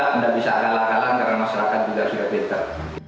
tidak bisa kalah kalah karena masyarakat juga sudah pinter